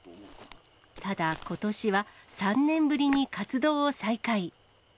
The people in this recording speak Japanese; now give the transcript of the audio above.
ただ、ことしは３年ぶりに活動を再開。